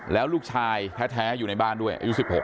แล้วลูกชายแท้อยู่ในบ้านด้วยอายุ๑๖